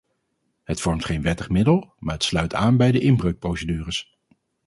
Het vormt geen wettig middel, maar het sluit aan bij de inbreukprocedures.